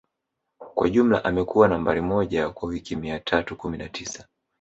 Kwa jumla amekuwa Nambari moja kwa wiki mia tatu kumi na tisa